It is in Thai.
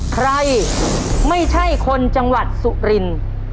ใครไม่ใช่คนจังหวัดสุรินทร์